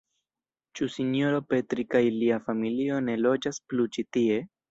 Ĉu sinjoro Petri kaj lia familio ne loĝas plu ĉi tie?